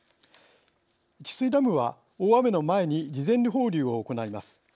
治水ダムは大雨の前に事前放流を行います。